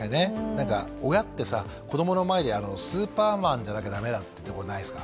なんか親ってさ子どもの前ではスーパーマンじゃなきゃダメだってところないですか？